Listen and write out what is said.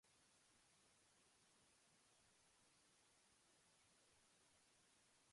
Fueron numerosas sus aventuras durante los años de la Gran Depresión.